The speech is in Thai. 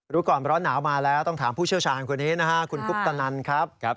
รู้ก่อนร้อนหนาวมาแล้วต้องถามผู้เชี่ยวชาญคนนี้นะฮะคุณคุปตนันครับ